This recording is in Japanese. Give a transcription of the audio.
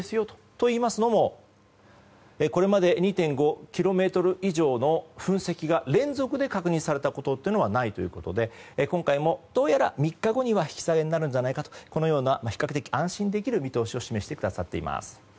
といいますのも、これまで２．５ｋｍ以上の噴石が連続で確認されたことというのはないということで今回もどうやら３日後には引き下げになるのではと比較的安心できる見通しを示してくださっています。